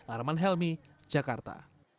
arman helmy jakarta